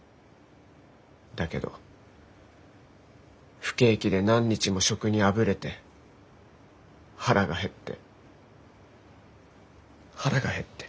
だけど不景気で何日も職にあぶれて腹が減って腹が減って。